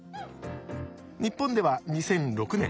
日本では２００６年